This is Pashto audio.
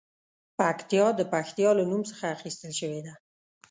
پکتیا د پښتیا له نوم څخه اخیستل شوې ده